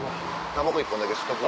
たばこ１本だけ吸っとく？